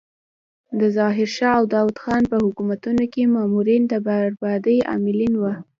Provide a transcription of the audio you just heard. د ظاهر شاه او داود خان په حکومتونو کې مامورین د بربادۍ عاملین وو.